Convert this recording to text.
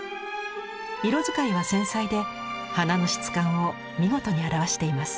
色使いは繊細で花の質感を見事に表しています。